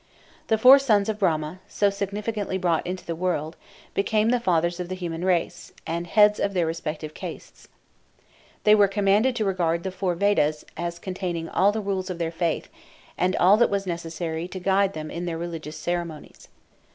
The four sons of Brahma, so significantly brought into the world, became the fathers of the human race, and heads of their respective castes. They were commanded to regard the four Vedas as containing all the rules of their faith, and all that was necessary to guide them in their religious ceremonies.